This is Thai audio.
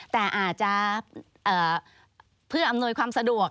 แต่อาจจะเพื่ออำนวยความสะดวก